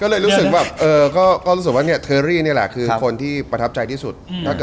ก็เลยรู้สึกว่าเทอรี่เนี่ยแหละคือคนที่ประทับใจที่สุด